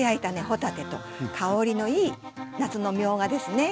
帆立てと香りのいい夏のみょうがですね